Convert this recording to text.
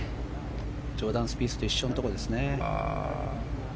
ジョーダン・スピースと一緒のところですね。